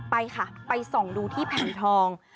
ไปค่ะไปส่องดูที่แผ่นทอง